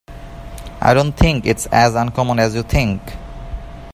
I don't think it's as uncommon as you think.